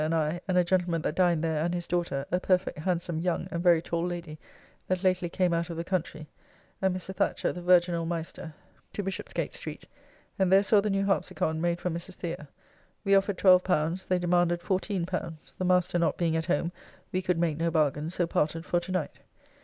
and I, and a gentleman that dined there and his daughter, a perfect handsome young and very tall lady that lately came out of the country, and Mr. Thatcher the Virginall Maister to Bishopsgate Street, and there saw the new Harpsicon made for Mrs. The. We offered L12, they demanded L14. The Master not being at home, we could make no bargain, so parted for to night.